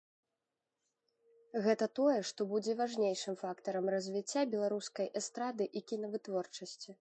Гэта тое, што будзе важнейшым фактарам развіцця беларускай эстрады і кінавытворчасці.